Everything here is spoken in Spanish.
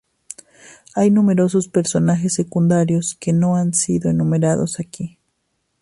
Hay numerosos personajes secundarios que no han sido enumerados aquí.